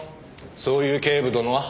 そういう警部殿は？